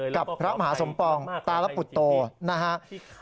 กับพระมหาสมปองตาลปุตโตนะครับ